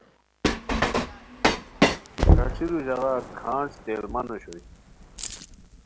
کھاݰیرو ژاغا کھانج تیل من اوشوئے